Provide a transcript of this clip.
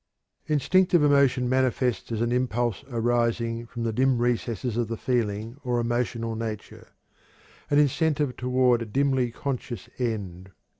Instinctive emotion manifests as an impulse arising from the dim recesses of the feeling or emotional nature an incentive toward a dimly conscious end.